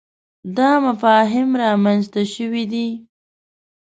دا مفاهیم رامنځته شوي دي.